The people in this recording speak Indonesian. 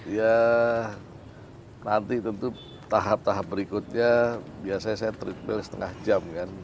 ya nanti tentu tahap tahap berikutnya biasanya saya treat ball setengah jam kan